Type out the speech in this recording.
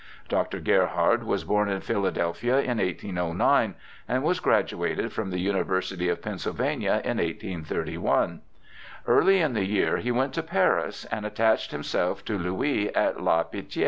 Dr. Gerhard was born in Philadelphia in 1809, and was graduated from the University of Pennsylvania in 1831. Early in the year he went to Paris and attached himself to Louis at La Pitie.